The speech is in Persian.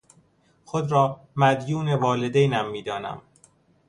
خود را مدیون والدینم میدانم.